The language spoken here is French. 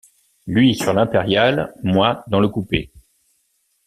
Lui sur l’impériale, moi dans le coupé.